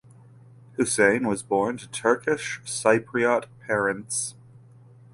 Hussein was born to Turkish Cypriot parents.